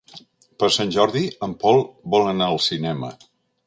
Per Sant Jordi en Pol vol anar al cinema.